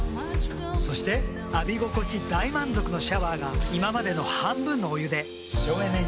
そして浴び心地大満足のシャワーが今までの半分のお湯で省エネに。